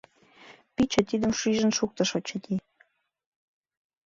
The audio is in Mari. Пӱчӧ тидым шижын шуктыш, очыни.